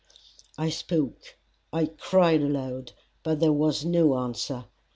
I spoke, I cried aloud, but there was no answer.